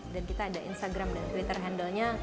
dan kita ada instagram dengan twitter handle nya